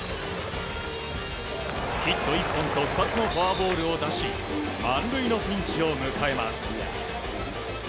ヒット１本と２つのフォアボールを出し満塁のピンチを迎えます。